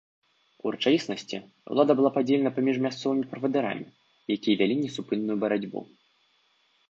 У рэчаіснасці, улада была падзелена паміж мясцовымі правадырамі, якія вялі несупынную барацьбу.